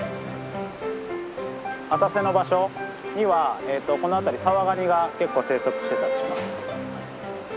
浅瀬の場所にはこの辺りサワガニが結構生息してたりします。